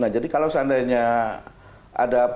nah jadi kalau seandainya ada